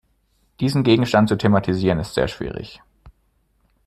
Diesen Gegenstand zu thematisieren ist sehr schwierig.